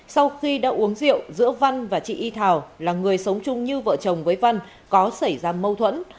sau khi đã uống rượu giữa văn và chị y thảo là người sống chung như vợ chồng với văn có xảy ra mâu thuẫn